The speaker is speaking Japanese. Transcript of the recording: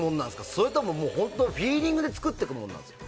それともフィーリングで作っていくものなんですか？